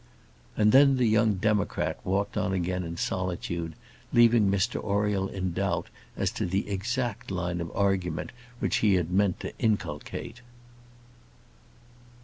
And then the young democrat walked on again in solitude, leaving Mr Oriel in doubt as to the exact line of argument which he had meant to inculcate.